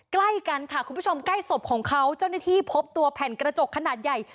ใกล้กันค่ะคุณผู้ชมใกล้ศพของเขาเจ้าหน้าที่พบตัวแผ่นกระจกขนาดใหญ่